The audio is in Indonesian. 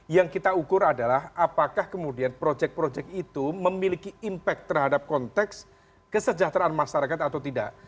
yang kita ukur adalah apakah kemudian proyek proyek itu memiliki impact terhadap konteks kesejahteraan masyarakat atau tidak